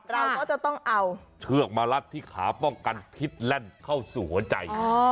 เราก็จะต้องเอาเชือกมารัดที่ขาป้องกันพิษแล่นเข้าสู่หัวใจ